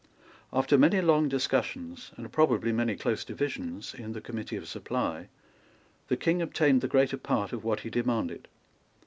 After many long discussions, and probably many close divisions, in the Committee of Supply, the King obtained the greater part of what he demanded.